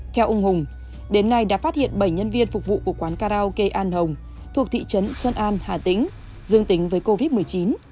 theo ông hùng đến nay đã phát hiện bảy nhân viên phục vụ của quán karaoke an hồng thuộc thị trấn xuân an hà tĩnh dương tính với covid một mươi chín